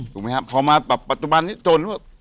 ถูกมั้ยครับพอมาปัจจุบันนี้โจรนึกว่า